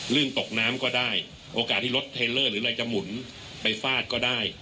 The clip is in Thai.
ตกน้ำก็ได้โอกาสที่รถเทลเลอร์หรืออะไรจะหมุนไปฟาดก็ได้